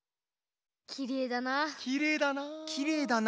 きれいだなあ。